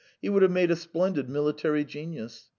He would have made a splendid military genius.